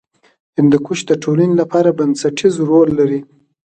هندوکش د ټولنې لپاره بنسټیز رول لري.